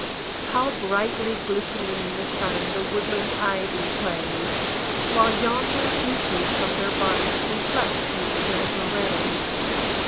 How brightly glistening in the sun The woodland ivy plays! While yonder beeches from their barks Reflect his silver rays.